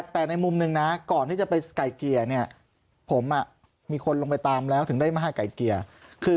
แต่ในมุมหนึ่งก่อนที่จะไปไก่เกียร์ผมอ่ะมีคนลงไปตามแล้วถึงได้มาให้ไก่เกียร์